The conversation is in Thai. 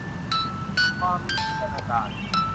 ความมีจินตนาการ